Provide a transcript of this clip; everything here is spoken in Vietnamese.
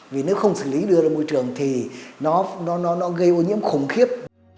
vì nếu không xử lý đưa ra môi trường thì nó gây ô nhiễm khủng khiếp